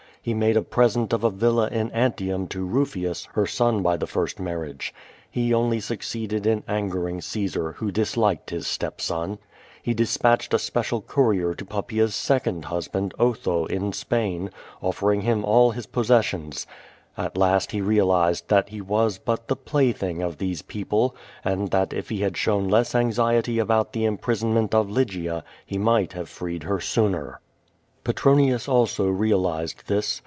He made a present of a villa in Antium to Rufius, her son by the first marriage. He only succeeded in angerinpr Caesar, who disliked his stepson. He despatched a si)eoial courier to Poppiaea's second husband. 0^70 VADTfi, 3^3 « Otho, in Spain, offering liini nil liis possessions. At last he realized that lie was but tlie pla3'thing of these people, and that if he had shown less anxiety about the imprisonment of Lygia, he might have freed her sooner. Petronius also realized this.